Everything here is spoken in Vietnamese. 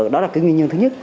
đó là nguyên nhân thứ nhất